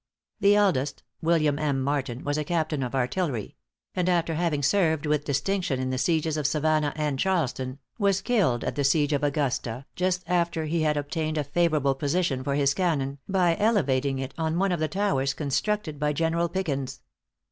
The eldest, William M. Martin, was a captain of artillery; and after having served with distinction in the sieges of Savannah and Charleston, was killed at the siege of Augusta, just after he had obtained a favorable position for his cannon, by elevating it on one of the towers constructed by General Pickens.